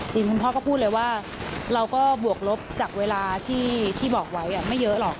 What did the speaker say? คุณพ่อก็พูดเลยว่าเราก็บวกลบจากเวลาที่บอกไว้ไม่เยอะหรอก